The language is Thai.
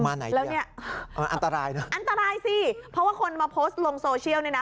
มาไหนเนี้ยแล้วเนี้ยอันตรายอันตรายสิเพราะว่าคนมาโพสต์ลงโซเชียลเนี้ยนะ